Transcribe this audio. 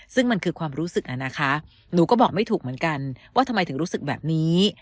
ซึ่งมันคือความรู้สึกอะนะคะหนูก็บอกไม่ถูกเหมือนกันว่าทำไมถึงรู้สึกแบบนี้